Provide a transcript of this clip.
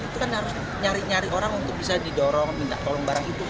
itu kan harus nyari nyari orang untuk bisa didorong minta tolong barang itu